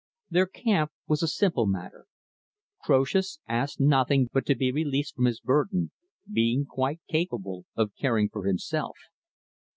Their camp was a simple matter. Croesus asked nothing but to be released from his burden being quite capable of caring for himself.